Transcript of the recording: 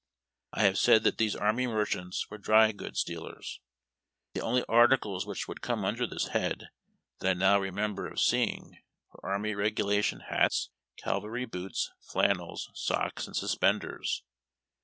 I have said that these army merchants were dry goods dealers. The only articles which would come under this head, that I now remember of seeing, were army regula tion hats, cavalry boots, tlannels, socks, and suspenders.